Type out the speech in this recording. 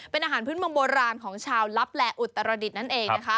เป็นอาหารพื้นเมืองโบราณของชาวลับแลอุตรดิษฐ์นั่นเองนะคะ